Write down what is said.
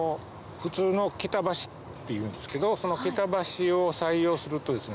普通の桁橋っていうんですけどその桁橋を採用するとですね